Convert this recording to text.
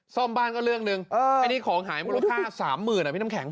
ซ่อมบ้านก็เรื่องหนึ่งอันนี้ของหายมูลค่าสามหมื่นอ่ะพี่น้ำแข็ง